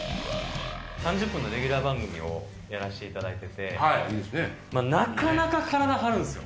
３０分のレギュラー番組をやらしていただいてて、なかなか体張るんですよ。